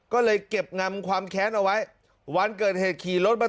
ก็เรียกร้องให้ตำรวจดำเนอคดีให้ถึงที่สุดนะ